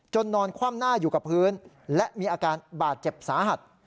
นอนคว่ำหน้าอยู่กับพื้นและมีอาการบาดเจ็บสาหัส